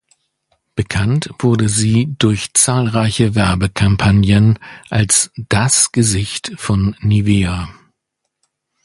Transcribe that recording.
Bekannt wurde sie durch zahlreiche Werbekampagnen als "das" Gesicht von Nivea.